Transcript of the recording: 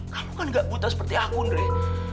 kamu kan gak buta seperti aku andre